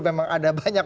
memang ada banyak